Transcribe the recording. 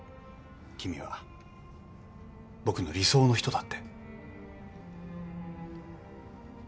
君は僕の理想の人だって。